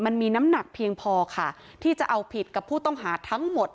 มันมีน้ำหนักเพียงพอค่ะที่จะเอาผิดกับผู้ต้องหาทั้งหมด